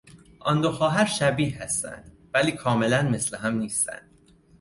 آن دو خواهر شبیه هستند ولی کاملا مثل هم نیستند.